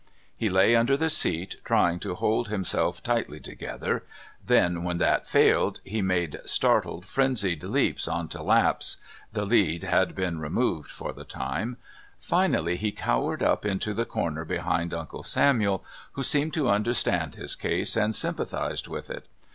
He lay first under the seat, trying to hold himself tightly together, then, when that failed, he made startled frenzied leaps on to laps (the lead had been removed for the time), finally he cowered up into the corner behind Uncle Samuel, who seemed to understand his case and sympathised with it.